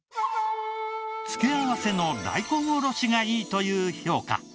付け合わせの大根おろしがいいという評価。